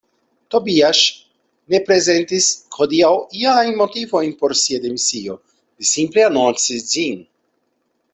Tobiasz ne prezentis hodiaŭ iajn motivojn por sia demisio, li simple anoncis ĝin.